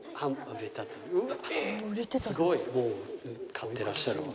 買ってらっしゃるわ。